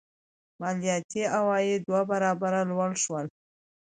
مالیاتي عواید دوه برابره لوړ شول.